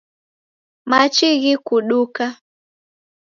Machi ghikuduka